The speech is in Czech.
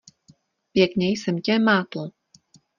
Pěkně jsem tě mátl.